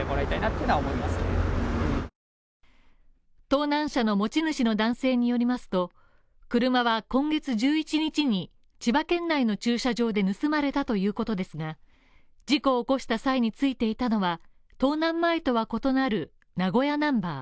盗難車の持ち主の男性によりますと、車は今月１１日に千葉県内の駐車場で盗まれたということですが、事故を起こした際に付いていたのは盗難前とは異なる、名古屋ナンバー。